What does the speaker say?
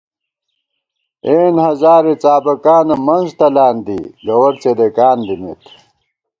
اېن ہزارےڅابَکانہ منز تلان دی ، گوَر څېدېکان دِمېت